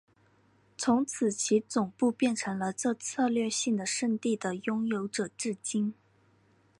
从此其总部变成了这策略性的圣地的拥有者至今。